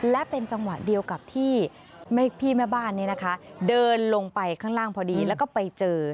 และเป็นจังหวะเดียวกับที่พี่แม่บ้านนี้นะคะเดินลงไปข้างล่างพอดีแล้วก็ไปเจอ